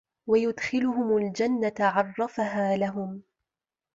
وَيُدخِلُهُمُ الجَنَّةَ عَرَّفَها لَهُم